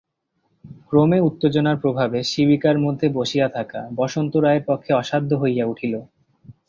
ক্রমে উত্তেজনার প্রভাবে শিবিকার মধ্যে বসিয়া থাকা বসন্ত রায়ের পক্ষে অসাধ্য হইয়া উঠিল।